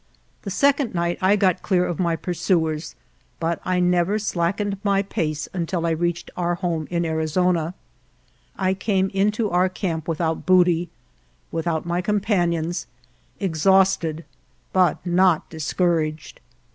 The second night I got clear of my pursuers, but 56 UNDER DIFFICULTIES I never slackened my pace until I reached our home in Arizona. I came into our camp without booty, without my companions, ex hausted, but not discouraged.